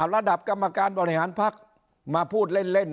ระดับกรรมการบริหารพักมาพูดเล่น